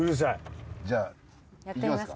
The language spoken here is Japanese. じゃあいきますか。